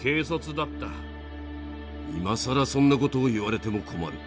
今更そんなことを言われても困る。